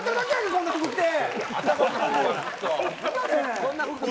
こんな服着て。